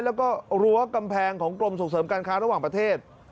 แล้วก็รั้วกำแพงของกรมส่งเสริมการค้าระหว่างประเทศ